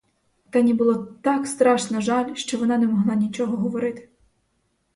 Тані було так страшно жаль, що вона не могла нічого говорити.